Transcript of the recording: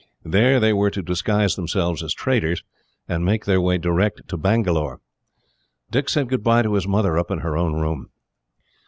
There they were to disguise themselves as traders, and make their way direct to Bangalore. Dick said goodbye to his mother, up in her own room.